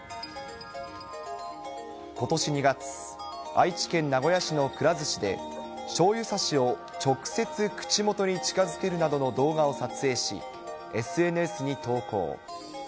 ことし２月、愛知県名古屋市のくら寿司で、しょうゆさしを直接口元に近づけるなどの動画を撮影し、ＳＮＳに投稿。